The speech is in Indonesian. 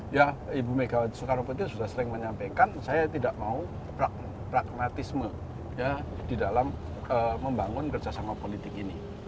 ya ibu megawati soekarno putri sudah sering menyampaikan saya tidak mau pragmatisme di dalam membangun kerjasama politik ini